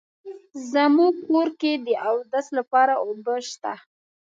زمونږ کور کې د اودس لپاره اوبه شته